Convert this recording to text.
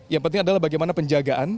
yang penting adalah bagaimana penjagaan